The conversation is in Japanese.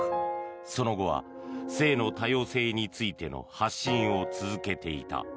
その後は性の多様性についての発信を続けていた。